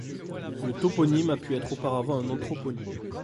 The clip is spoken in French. Le toponyme a pu être auparavant un anthroponyme.